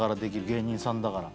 芸人さんだから。